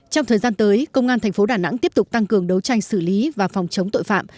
trong thời gian tới công an thành phố đà nẵng tiếp tục tăng cường đấu tranh xử lý và phòng chống tội phạm